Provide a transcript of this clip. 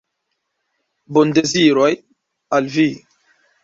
Bondezirojn al vi!